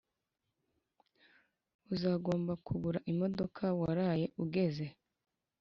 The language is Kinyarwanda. Uzagomba kugura imodoka waraye ugeze